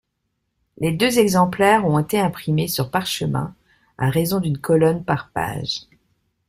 Les deux exemplaires ont été imprimés sur parchemin à raison d'une colonne par page.